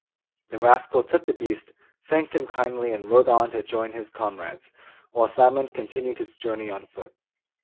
The rascal took the beast, thanked him kindly, and rode on to join his comrades, while Simon continued his journey on foot.